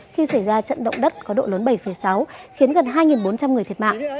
khi xảy ra trận động đất có độ lớn bảy sáu khiến gần hai bốn trăm linh người thiệt mạng